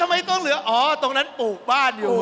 ทำไมต้องเหลืออ๋อตรงนั้นปลูกบ้านอยู่